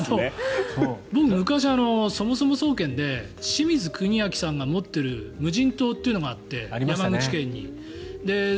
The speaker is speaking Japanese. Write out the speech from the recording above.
昔、そもそも総研で清水国明さんが持っている無人島というのがあって山口県に。